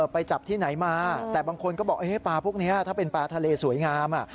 ไปจับที่ไหนมาแต่บางคนก็บอกปลาพวกนี้ถ้าเป็นปลาทะเลสวยงาม